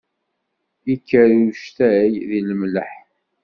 Ikker uctal di lemleḥ.